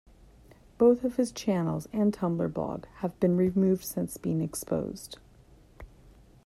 Both his channels and Tumblr blog have been removed since being exposed.